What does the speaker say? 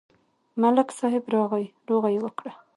ملک صاحب راغی، روغه یې وکړه.